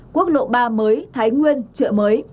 quốc lộ ba mới thái nguyên chợ mới